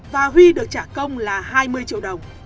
và huy được trả công là hai mươi triệu đồng